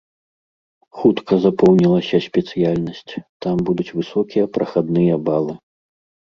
Хутка запоўнілася спецыяльнасць, там будуць высокія прахадныя балы.